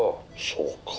そうか。